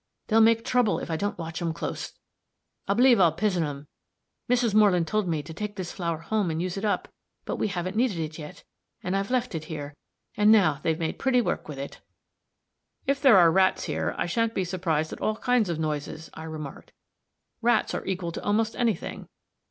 They'll make trouble if I don't watch 'em clost. I believe I'll pizen 'em. Mrs. Moreland told me to take this flour home and use it up; but we haven't needed it yet, and I've left it here, and now they've made pretty work with it." "If there are rats here, I shan't be surprised at all kinds of noises," I remarked. "Rats are equal to almost any thing.